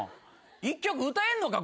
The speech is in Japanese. １曲歌えんのか？